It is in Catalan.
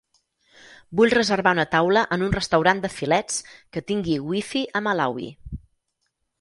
Vull reservar una taula en un restaurant de filets que tingui wi-fi a Malawi